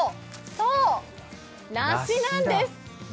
そう、梨なんです。